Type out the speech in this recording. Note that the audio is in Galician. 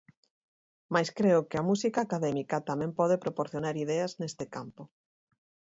Mais creo que a música académica tamén pode proporcionar ideas neste campo.